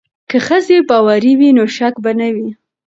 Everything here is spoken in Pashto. که ښځې باوري وي نو شک به نه وي.